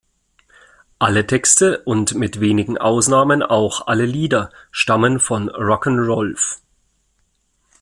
Alle Texte und mit wenigen Ausnahmen auch alle Lieder stammen von Rock 'n' Rolf.